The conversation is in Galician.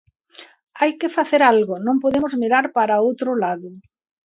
hai que facer algo, non podemos mirar para outro lado.